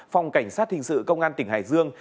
phòng cảnh sát hình sự công an tỉnh hải dương